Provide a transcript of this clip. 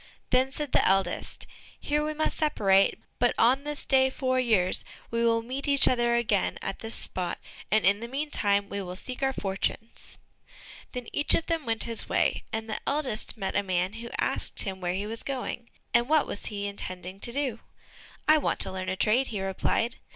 Then said the eldest, "Here we must separate, but on this day four years, we will meet each other again at this spot, and in the meantime we will seek our fortunes." Then each of them went his way, and the eldest met a man who asked him where he was going, and what he was intending to do? "I want to learn a trade," he replied.